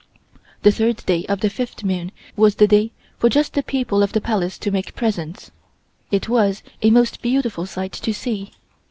The third day of the fifth moon was the day for just the people of the Palace to make presents. It was a most beautiful sight to see.